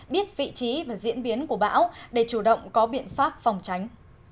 biết vị trí và diễn biến của bão để chủ động có biện pháp phòng tránh